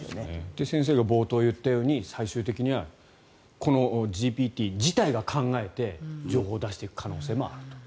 先生が冒頭に言ったように最終的にはこのＧＰＴ自体が考えて情報を出していく可能性もあると。